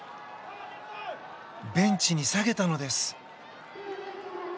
ベンチに下げたのです。